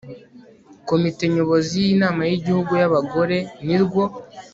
komite nyobozi y inama y igihugu y abagore nirwo